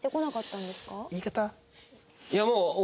いやもう。